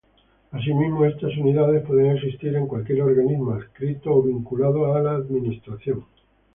Asimismo, estas unidades pueden existir en cualquier organismo adscrito o vinculado a la Administración.